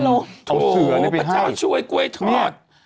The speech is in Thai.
พัดลมเอาเสือเนี่ยไปให้โถพระเจ้าช่วยกล้วยทอด